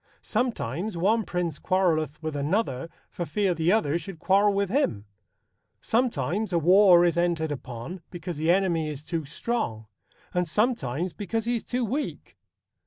Sometimes one prince quarrelleth with another for fear the other should quarrel with him. Sometimes a war is entered upon because the enemy is too strong, and sometimes because he is too weak.